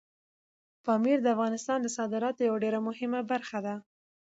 پامیر د افغانستان د صادراتو یوه ډېره مهمه برخه ده.